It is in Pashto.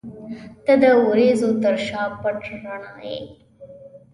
• ته د وریځو تر شا پټ رڼا یې.